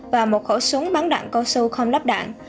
và một khẩu súng bắn đạn câu su không lắp đạn